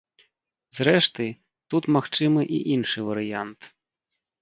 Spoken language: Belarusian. Зрэшты, тут магчымы і іншы варыянт.